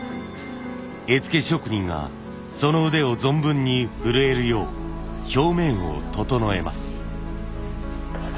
絵付け職人がその腕を存分に振るえるよう表面を整えます。